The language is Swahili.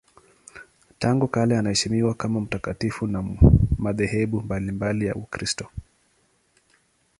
Tangu kale anaheshimiwa kama mtakatifu na madhehebu mbalimbali ya Ukristo.